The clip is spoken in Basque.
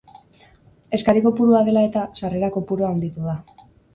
Eskari kopurua dela-eta, sarrera kopurua handitu da.